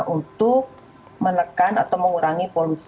untuk menekan atau mengurangi polusi